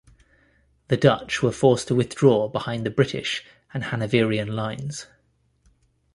The Dutch were forced to withdraw behind the British and Hannoverian lines.